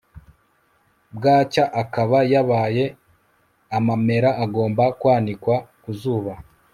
bwacya akaba yabaye amamera agomba kwanikwa ku zuba